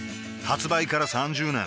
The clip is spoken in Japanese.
発売から３０年